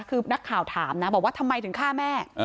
คือนักข่าวถามนะบอกว่าทำไมถึงฆ่าแม่